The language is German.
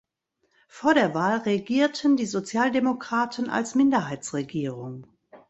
Vor der Wahl regierten die Sozialdemokraten als Minderheitsregierung.